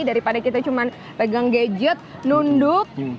daripada kita cuma pegang gadget nunduk